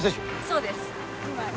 そうです。